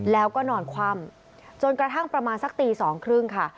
แล้วก็นอนคว่ำจนกระทั่งประมาณสักตีสองครึ่งค่ะ